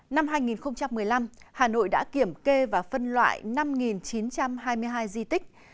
năm hai nghìn một mươi năm hà nội đã kiểm kê và phân loại năm chín trăm hai mươi hai di tích